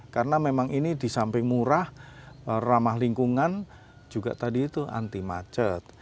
karena memang ini disamping murah ramah lingkungan juga tadi itu anti macet